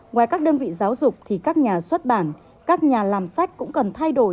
ngoài các đơn vị giáo dục thì các nhà xuất bản các nhà làm sách cũng cần thay đổi